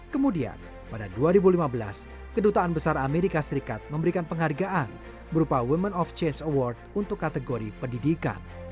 kemudian pada dua ribu lima belas kedutaan besar amerika serikat memberikan penghargaan berupa women of change award untuk kategori pendidikan